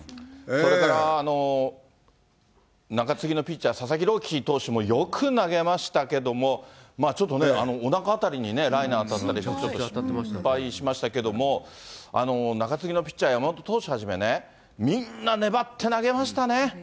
それから中継ぎのピッチャー、佐々木朗希投手もよく投げましたけども、ちょっとね、おなか辺りにライナー当たったり、ちょっと心配しましたけど、中継ぎのピッチャー、山本投手はじめね、みんな粘って投げましたね。